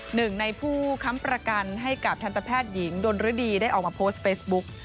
หนึ่งในผู้ค้ำประกันให้กับทันตแพทย์หญิงดนรดีได้ออกมาโพสต์เฟซบุ๊ก